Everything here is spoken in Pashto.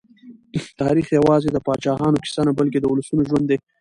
تاریخ یوازې د پاچاهانو کیسه نه، بلکې د ولسونو ژوند دی.